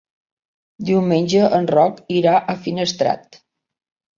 Diumenge en Roc irà a Finestrat.